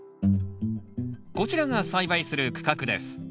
こちらが栽培する区画です。